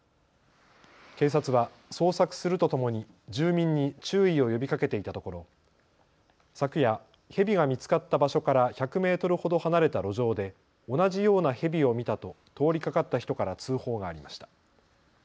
警察は捜索するとともに住民に注意を呼びかけていたところ昨夜、ヘビが見つかった場所から１００メートルほど離れた路上で同じようなヘビを見たと通りかかった人から通報がありました。